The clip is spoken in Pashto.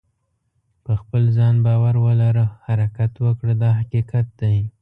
په خپل ځان باور ولره حرکت وکړه دا حقیقت دی.